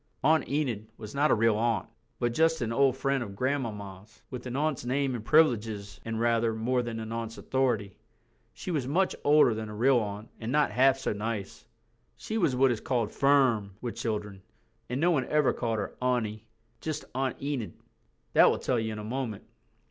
Aunt Enid was not a real aunt, but just an old friend of Grandmamma's, with an aunt's name and privileges and rather more than an aunt's authority. She was much older than a real aunt and not half so nice. She was what is called "firm" with children, and no one ever called her auntie. Just Aunt Enid. That will tell you in a moment.